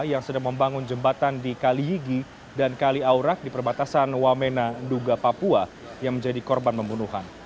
yang sedang membangun jembatan di kalihigi dan kaliaurak di perbatasan wamena duga papua yang menjadi korban pembunuhan